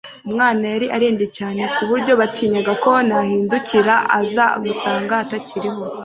Umwana yari arembye cyane ku buryo batinyaga ko nahindukira aza gusanga atakiriho;